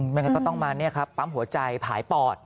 ยังไงก็ต้องมาปั๊มหัวใจผายปอด